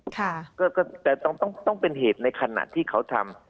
ค่ะก็แต่ต้องเป็นเหตุในขณะที่เขาทำ